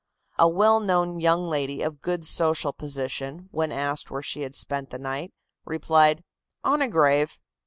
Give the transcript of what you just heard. A well known young lady of good social position, when asked where she had spent the night, replied: "On a grave."